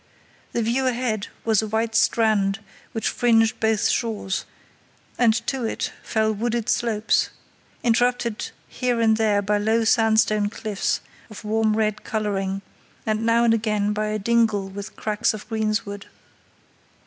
The view ahead was a white strand which fringed both shores, and to it fell wooded slopes, interrupted here and there by low sandstone cliffs of warm red colouring, and now and again by a dingle with cracks of greensward.